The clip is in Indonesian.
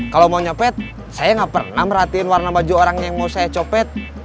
kalau mau nyopet saya nggak pernah merhatiin warna baju orang yang mau saya copet